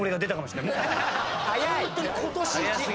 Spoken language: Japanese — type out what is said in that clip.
ホントに今年イチ。